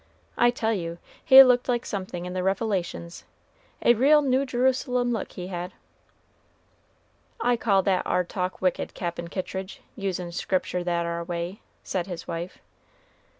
I tell you, he looked like something in the Revelations, a real New Jerusalem look he had." "I call that ar talk wicked, Cap'n Kittridge, usin' Scriptur' that ar way," said his wife.